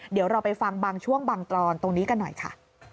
เดี๋ยวเราไปฟังบางช่วงบางตอนตรงนี้กันหน่อยค่ะ